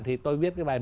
thì tôi viết cái bài